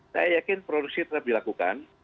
saya yakin produksi tetap dilakukan